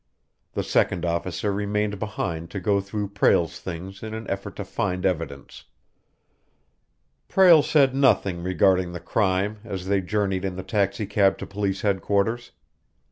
The second officer remained behind to go through Prale's things in an effort to find evidence. Prale said nothing regarding the crime as they journeyed in the taxicab to police headquarters.